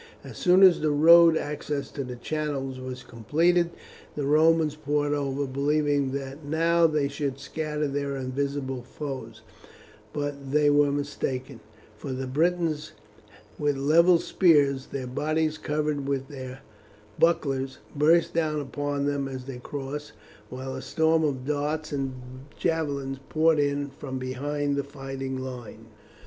As soon as the road across the channel was completed the Romans poured over, believing that now they should scatter their invisible foes; but they were mistaken, for the Britons with levelled spears, their bodies covered with their bucklers, burst down upon them as they crossed, while a storm of darts and javelins poured in from behind the fighting line.